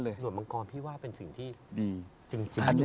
แต่เขาตัดได้มั้ยอันนี้อย่างนี้อย่างนี้อย่างนี้